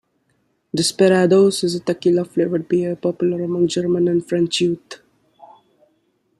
Desperados is a tequila-flavoured beer popular among German and French youth.